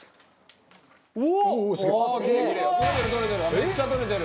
めっちゃ取れてる。